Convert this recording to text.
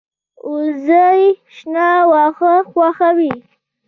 وزې شنه واښه خوښوي